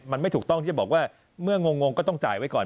มันไม่ถูกต้องที่จะบอกว่าเมื่องงก็ต้องจ่ายไว้ก่อน